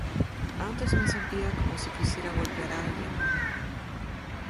Antes me sentía como si quisiera golpear a alguien.